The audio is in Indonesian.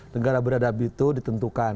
negara beradab itu ditentukan